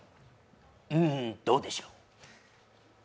うーん、どうでしょう。